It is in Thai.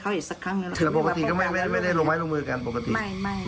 คือว่ามันเป็นอะไรที่สุดแล้วไม่ถนไม่ได้แล้ว